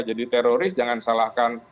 jadi teroris jangan salahkan